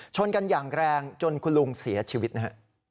ชนกันอย่างแรงจนคุณลุงเสียชีวิตนะฮะ